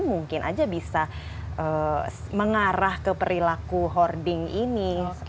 mungkin aja bisa mengarah ke perilaku hoarding ini